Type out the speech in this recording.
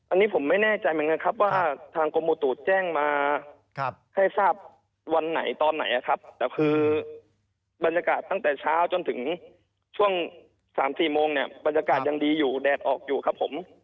อันนี้ผมไม่แน่ใจเหมือนกันครับว่าทางกรมอุตุแจ้งมาให้ทราบวันไหนตอนไหนครับแต่คือบรรยากาศตั้งแต่เช้าจนถึงช่วง๓๔โมงเนี่ยบรรยากาศยังดีอยู่แดดออกอยู่ครับผม